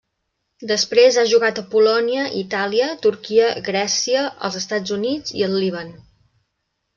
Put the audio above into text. Després ha jugat a Polònia, Itàlia, Turquia, Grècia, els Estats Units i el Líban.